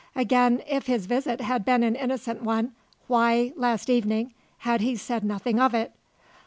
Again, if his visit had been an innocent one, why, last evening, had he said nothing of it?